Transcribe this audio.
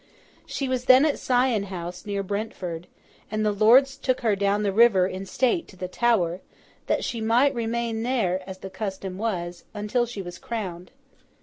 She was then at Sion House, near Brentford; and the lords took her down the river in state to the Tower, that she might remain there (as the custom was) until she was crowned.